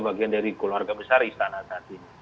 bagian dari keluarga besar istana tadi